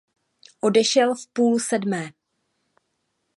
Odešel v půl sedmé.